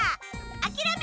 あきらめる！